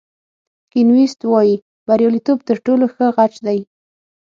کین ویست وایي بریالیتوب تر ټولو ښه غچ دی.